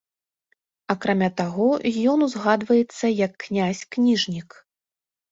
Акрамя таго ён узгадваецца як князь-кніжнік.